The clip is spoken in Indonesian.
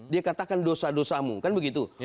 dia katakan dosa dosamu kan begitu